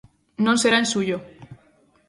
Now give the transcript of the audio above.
Non será en xullo.